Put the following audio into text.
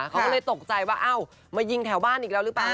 เขาก็เลยตกใจว่าเอ้ามายิงแถวบ้านอีกแล้วหรือเปล่า